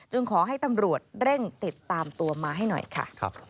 ขอให้ตำรวจเร่งติดตามตัวมาให้หน่อยค่ะ